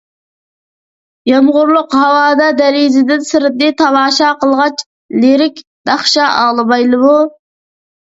يامغۇرلۇق ھاۋادا دېرىزىدىن سىرتنى تاماشا قىلغاچ لىرىك ناخشا ئاڭلىمايلىمۇ؟